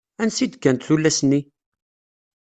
Ansa i d-kkant tullas-nni?